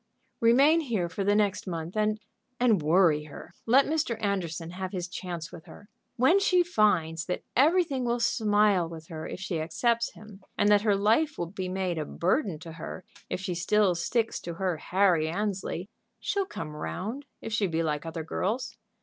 "Remain here for the next month, and and worry her; let Mr. Anderson have his chance with her. When she finds that everything will smile with her if she accepts him, and that her life will be made a burden to her if she still sticks to her Harry Annesley, she'll come round, if she be like other girls.